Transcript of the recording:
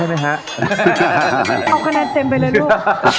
เอาคะแนนเต็มไปเลยลูก